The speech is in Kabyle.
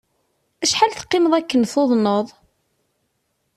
Acḥal teqqimeḍ akken tuḍneḍ?